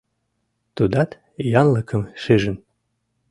Тудат янлыкым шижын.